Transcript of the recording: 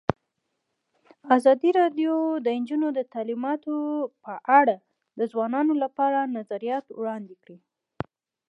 ازادي راډیو د تعلیمات د نجونو لپاره په اړه د ځوانانو نظریات وړاندې کړي.